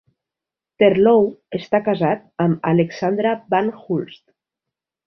Terlouw està casat amb Alexandra van Hulst.